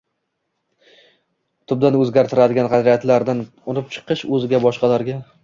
tubdan o‘zgartiradigan qadriyatlardan unib chiqishi, o‘ziga, boshqalarga